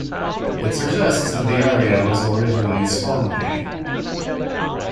It suggests that the area was originally swampy.